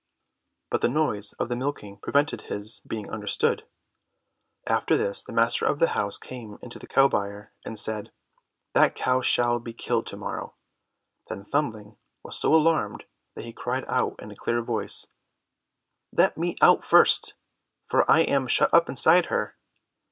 But the noise of the milking prevented his being understood. After this the master of the house came into the cow byre and said, "That cow shall be killed to morrow." Then Thumbling was so alarmed that he cried out in a clear voice, "Let me out first, for I am shut up inside her."